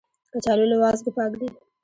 کچالو له وازګو پاک دي